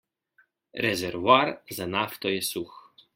Rezervoar za nafto je suh.